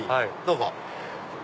どうぞ。